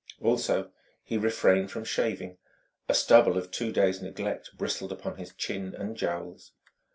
Also, he refrained from shaving: a stubble of two days' neglect bristled upon his chin and jowls.